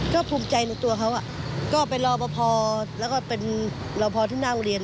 ก็ภูมิใจในตัวเขาก็ไปรอปภแล้วก็เป็นรอพอที่หน้าโรงเรียน